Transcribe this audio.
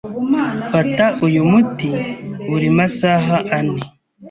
Fata uyu muti buri masaha ane.